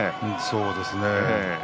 そうですね。